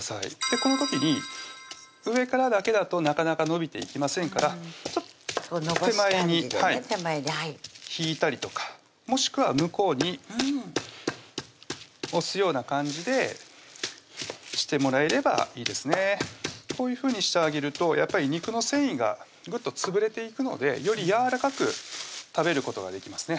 この時に上からだけだとなかなか伸びていきませんからちょっと手前に引いたりとかもしくは向こうに押すような感じでしてもらえればいいですねこういうふうにしてあげると肉の繊維がグッと潰れていくのでよりやわらかく食べることができますね